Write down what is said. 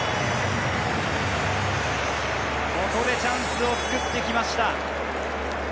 ここでチャンスを作ってきました。